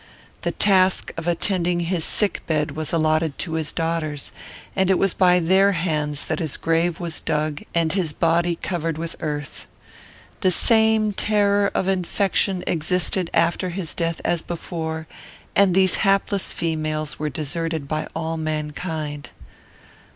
The task of attending his sick bed was allotted to his daughters, and it was by their hands that his grave was dug and his body covered with earth. The same terror of infection existed after his death as before, and these hapless females were deserted by all mankind.